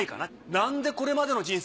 なんでこれまでの人生